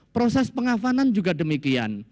proses pengafanan juga demikian